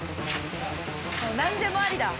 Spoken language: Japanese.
何でもありだ。